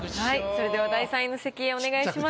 それでは第３位の席へお願いします。